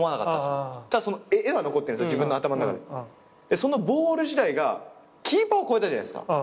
そのボール自体がキーパーを越えたじゃないっすか。